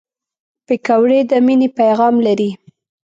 پکورې د مینې پیغام لري